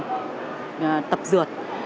tức là phải được